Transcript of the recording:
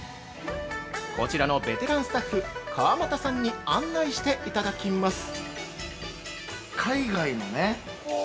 こちらのベテランスタッフ川俣さんに案内していただきます